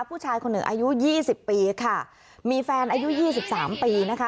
ผู้ชายคนหนึ่งอายุยี่สิบปีค่ะมีแฟนอายุยี่สิบสามปีนะคะ